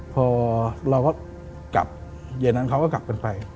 พอเราก็กลับเย็นนั้นเขาก็กลับกันไป